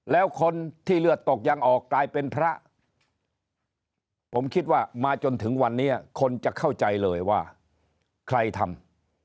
แล้วคนที่เลือดตกยังออกกลายเป็นพระผมคิดว่ามาจนถึงวันนี้คนจะเข้าใจเลยว่าใครทำ